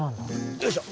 よいしょ。